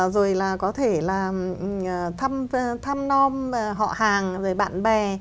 rồi là có thể là thăm non họ hàng rồi bạn bè